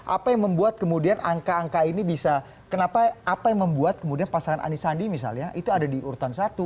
apa yang membuat kemudian angka angka ini bisa kenapa apa yang membuat kemudian pasangan anisandi misalnya itu ada di urutan satu